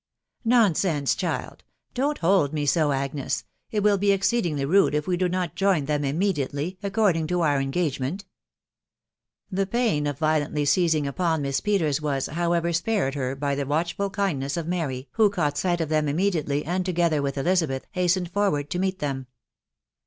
" Nonsense, child !.... Don't hold me so, Agnes ; it will be exceedingly rude if we do not join them immediately, ac cording to our engagement." The pain of violently seizing upon Mx%% \?etet* to&> to* 170 TITB WIDOW HARNABT. ever, spared her by the watehrul kindness of Mary, who anight sight of them immediately, and, together with BHsabcth, has tened forward to meet them.